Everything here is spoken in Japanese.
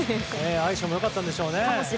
相性も良かったんでしょうね。